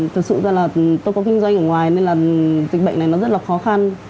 thực sự ra là tôi có kinh doanh ở ngoài nên là dịch bệnh này nó rất là khó khăn